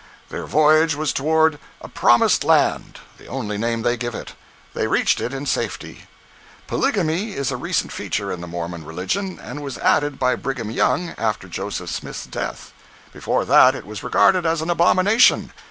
Their voyage was toward a "promised land"—the only name they give it. They reached it in safety. Polygamy is a recent feature in the Mormon religion, and was added by Brigham Young after Joseph Smith's death. Before that, it was regarded as an "abomination."